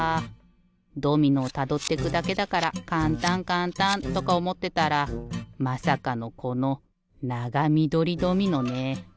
ドミノをたどってくだけだからかんたんかんたんとかおもってたらまさかのこのながみどりドミノね。